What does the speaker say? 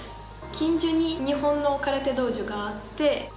近所に日本の空手道場があって。